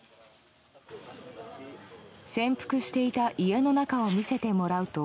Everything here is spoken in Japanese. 潜伏していた家の中を見せてもらうと。